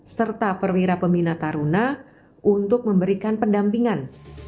serta perwira pembina taruna untuk memberikan pendampingan